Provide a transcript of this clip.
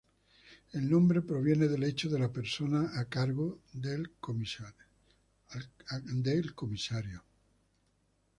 El nombre proviene del hecho de la persona al cargo de comisario.